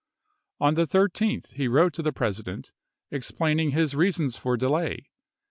On the 13th he wrote to the President, explaining his reasons for delay.